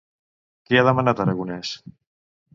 Què ha demanat Aragonès?